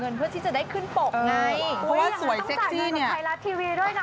เอาสิสวยเซ็กซี่อะไรนะ